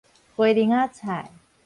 菠薐仔菜